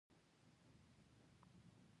نو تاسو به فکر کاوه چې په جنت کې یاست